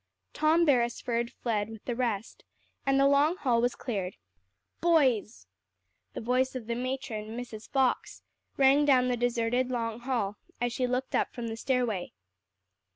Tom Beresford fled with the rest, and the long hall was cleared. "Boys!" the voice of the matron, Mrs. Fox, rang down the deserted, long hall, as she looked up from the stairway.